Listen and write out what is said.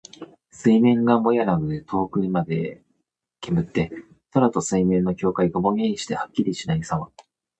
水面がもやなどで遠くまで煙って、空と水面の境界がぼんやりしてはっきりとしないさま。